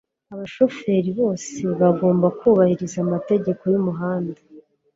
Abashoferi bose bagomba kubahiriza amategeko yumuhanda.